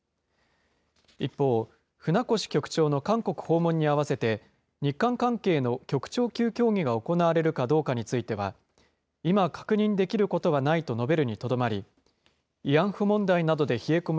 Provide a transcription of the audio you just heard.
一方、船越局長の韓国訪問に合わせて日韓関係の局長級協議が行われるかどうかについては、今、確認できることはないと述べるにとどまり、慰安婦問題などで冷え込む